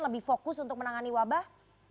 lebih fokus untuk menangani wabah